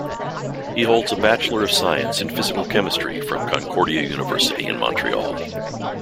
He holds a Bachelor of Science in Physical Chemistry from Concordia University in Montreal.